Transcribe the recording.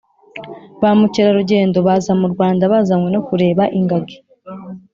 Bamucyera rugendo baza mu urwanda bazanywe nokureba ingagi